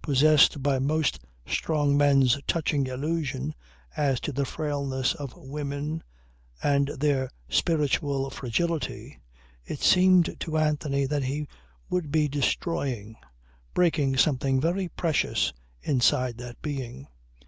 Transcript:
Possessed by most strong men's touching illusion as to the frailness of women and their spiritual fragility, it seemed to Anthony that he would be destroying, breaking something very precious inside that being.